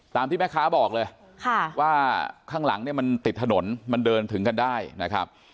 ตามที่แม่ค้าบอกเลยว่าข้างหลังเนี่ยมันติดถนนมันเดินถึงกันได้นะครับ